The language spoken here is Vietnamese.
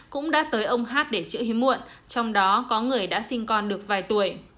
cũng đã tới ông hát để chữ hiếm muộn trong đó có người đã sinh con được vài tuổi